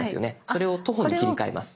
それを「徒歩」に切り替えます。